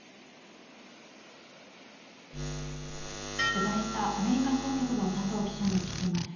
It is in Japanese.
取材したアメリカ総局の佐藤記者に聞きます。